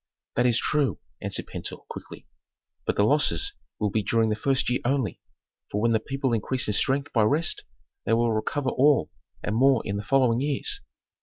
"That is true," answered Pentuer, quickly, "but the losses will be during the first year only, for when the people increase in strength by rest they will recover all and more in the following years."